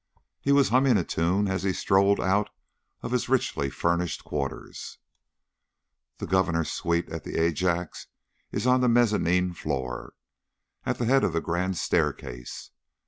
He was humming a tune as he strode out of his richly furnished quarters. The Governor's suite at the Ajax is on the mezzanine floor, at the head of the grand staircase.